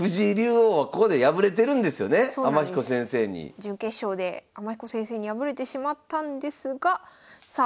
準決勝で天彦先生に敗れてしまったんですがさあ